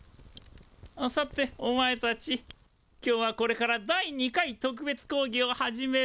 さておまえたち。今日はこれから第２回特別講義を始める。